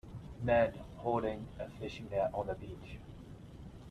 Men holding a fishing net on the beach.